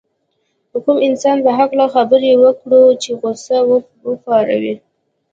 د کوم انسان په هکله خبره وکړو چې غوسه وپاروي.